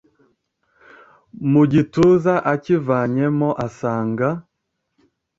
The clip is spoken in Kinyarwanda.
mu gituza akivanyemo asanga